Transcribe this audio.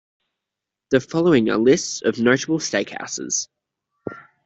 The following are lists of notable steakhouses.